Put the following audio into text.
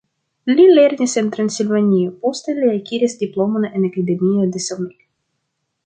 Li lernis en Transilvanio, poste li akiris diplomon en Akademio de Selmec.